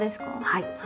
はい。